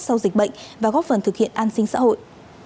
sau dịch bệnh và góp phần thực hiện an sinh xã hội